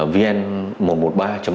bộ công an tp hcm